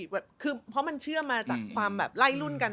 คือเพราะมันเชื่อมาจากความแบบไล่รุ่นกัน